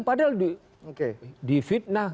padahal di fitnah